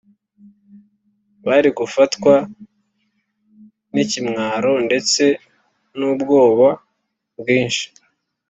bari gufatwa n’ikimwaro ndetse n’ubwoba bwinshi